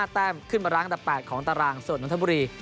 แต้มขึ้นมาร้างอันดับ๘ของตารางส่วนนนทบุรี